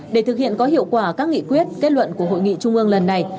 để thực hiện có hiệu quả các nghị quyết kết luận của hội nghị trung ương lần này